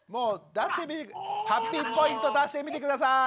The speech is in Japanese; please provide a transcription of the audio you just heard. ハッピーポイント出してみて下さい。